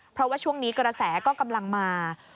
เพราะว่าช่วงนี้กระแสก็กำลังมา